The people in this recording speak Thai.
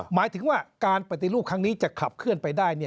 หมายถึงว่าการปฏิรูปครั้งนี้จะขับเคลื่อนไปได้